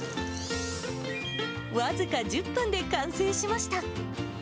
僅か１０分で完成しました。